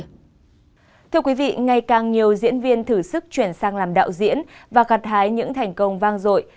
thưa quý vị ngày càng nhiều diễn viên thử sức chuyển sang làm đạo diễn và gặt hái những thành công vang dội